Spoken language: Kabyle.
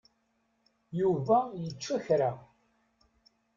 Yuba yečča kra.